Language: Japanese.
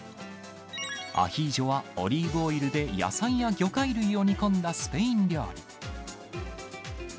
アヒージョは、オリーブオイルで野菜や魚介類を煮込んだスペイン料理。